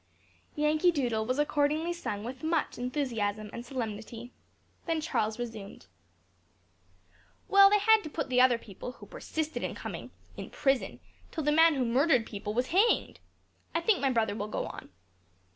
"Yankee Doodle" was accordingly sung with much enthusiasm and solemnity. Then Charles resumed. "Well, they had to put the other people, who persisted in coming, in prison, till the man who murdered people was hanged. I think my brother will go on."